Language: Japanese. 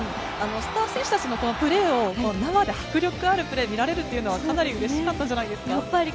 スター選手たちのプレーを生で迫力あるプレーを見られるというのはかなり嬉しかったんじゃないですか？